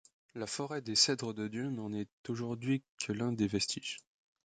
La forêt des Cèdres de Dieu n’en est aujourd’hui que l’un des vestiges.